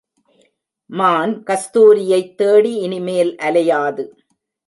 மான் கஸ்தூரியைத் தேடி இனிமேல் அலையாது.